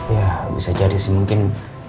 ya bisa jadi sih mungkin